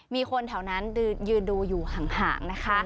มีคนแถวนั้นยืนดูอยู่ห่างนะคะ